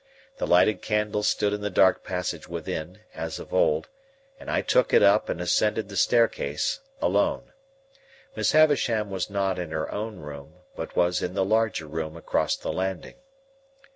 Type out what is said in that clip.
The lighted candle stood in the dark passage within, as of old, and I took it up and ascended the staircase alone. Miss Havisham was not in her own room, but was in the larger room across the landing.